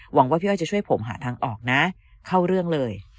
หวังว่าพี่อ้อยจะช่วยผมหาทางออกนะเข้าเรื่องเลย